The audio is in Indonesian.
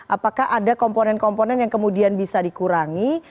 apakah ada komponen komponen yang kemudian bisa dikurangi